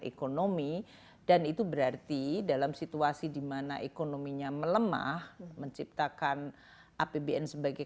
ekonomi dan itu berarti dalam situasi dimana ekonominya melemah menciptakan apbn sebagai